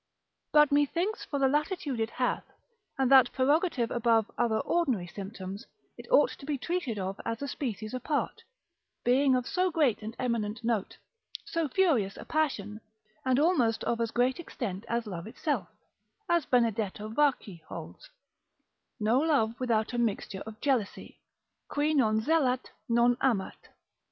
But methinks for the latitude it hath, and that prerogative above other ordinary symptoms, it ought to be treated of as a species apart, being of so great and eminent note, so furious a passion, and almost of as great extent as love itself, as Benedetto Varchi holds, no love without a mixture of jealousy, qui non zelat, non amat.